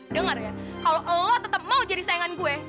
dengar ya kalau oh tetap mau jadi sayangan gue